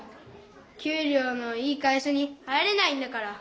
給りょうのいい会社に入れないんだから。